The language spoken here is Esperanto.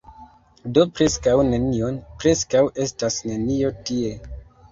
Do preskaŭ nenion... preskaŭ estas nenio tie.